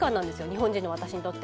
日本人の私にとっても。